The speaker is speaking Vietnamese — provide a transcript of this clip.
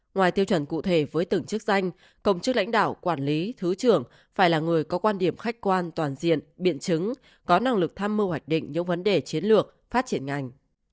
ngoài tiêu chuẩn cụ thể với từng chức danh công chức lãnh đạo quản lý thứ trưởng phải là người có quan điểm khách quan toàn diện biện chứng có năng lực tham mưu hoạch định những vấn đề chiến lược phát triển ngành